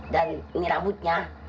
dan ini rambutnya